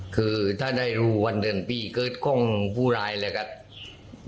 คือถ้าได้รู้วันเดือนปีเกิดของผู้ร้ายเลยครับ